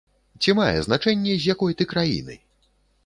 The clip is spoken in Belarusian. Ці мае значэнне, з якой ты краіны?